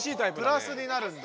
プラスになるんだ。